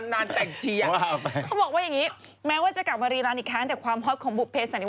แต่เป็นแต่ว่าต้องเป็นคนที่